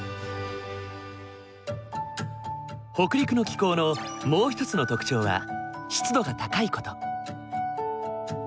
北陸の気候のもう一つの特徴は湿度が高い事。